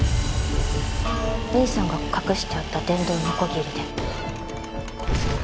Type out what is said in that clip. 兄さんが隠してあった電動ノコギリで。